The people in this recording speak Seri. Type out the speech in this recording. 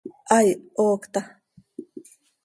Aih, ¡hoocta!